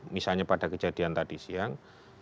misalnya pada kejadian tadi siang